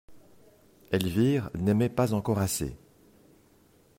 Elvire n'aimait pas encore assez.